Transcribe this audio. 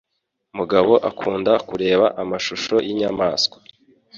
Mugabo akunda kureba amashusho yinyamaswa.